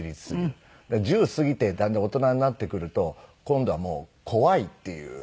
１０過ぎてだんだん大人になってくると今度はもう怖いっていう。